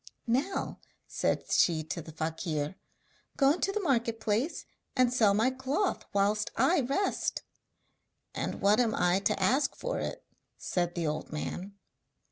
'Now,' said she to the fakir, 'go into the market place and sell my cloth whilst I rest.' 'And what am I to ask for it?' said the old man.